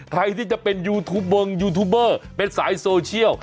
ใครที่จะเป็นยูทูปเบอร์ยูทูบเบอร์เป็นสายโซเชียล